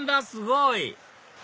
すごい！